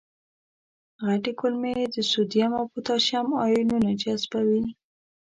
غټې کولمې د سودیم او پتاشیم آیونونه جذبوي.